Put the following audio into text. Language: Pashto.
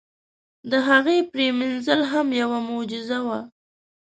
د هغې پرېمنځل هم یوه معجزه وه.